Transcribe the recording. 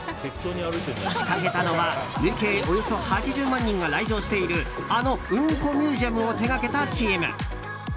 仕掛けたのは累計およそ８０万人が来場しているあのうんこミュージアムを手掛けたチーム。